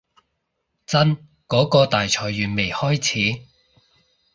真嗰個大裁員未開始